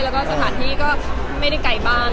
แล้วก็สถานที่ก็ไม่ได้ไกลมาก